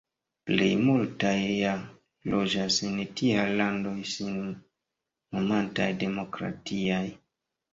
Plej multaj ja loĝas en tiaj landoj sin nomantaj demokratiaj.